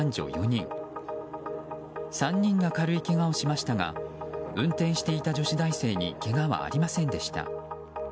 ３人が軽いけがをしましたが運転していた女子大生にけがはありませんでした。